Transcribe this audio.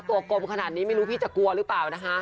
กลมขนาดนี้ไม่รู้พี่จะกลัวหรือเปล่านะคะ